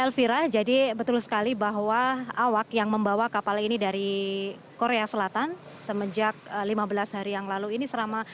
elvira jadi betul sekali bahwa awak yang membawa kapal ini dari korea selatan semenjak lima belas hari yang lalu ini